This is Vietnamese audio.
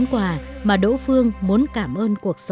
vừa hay nhưng mà lại rất là xót xa